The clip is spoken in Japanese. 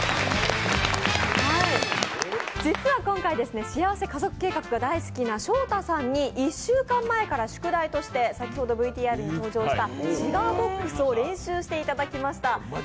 実は今回「しあわせ家族計画」が大好きなしょうたさんに１週間前から宿題として先ほどＶＴＲに登場したシガーボックスを練習していただきました。